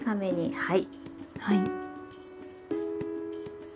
はい。